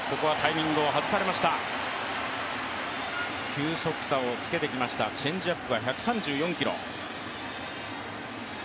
球速差をつけてきましたチェンジアップは１３４キロ。